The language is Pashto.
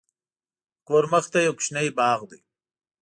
د کور مخته یو کوچنی باغ دی.